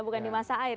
bukan di masa akhir